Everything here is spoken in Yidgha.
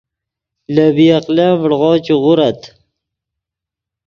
لے بی عقلن ڤڑغو چے غورت